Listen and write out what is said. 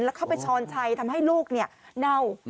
แล้วเข้าไปช้อนชัยทำให้ลูกเน่า